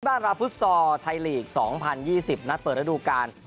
ราวฟุตซอร์ไทยลีก๒๐๒๐นัดเปิดระดูการ